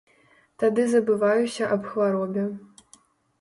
Тады забываюся аб хваробе.